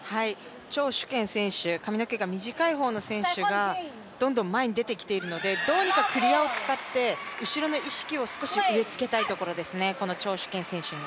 張殊賢選手、髪の毛が短い方の選手がどんどん前に出てきているのでどうにかクリアを使って後ろの意識を少し植えつけたいところですね、この張殊賢選手に。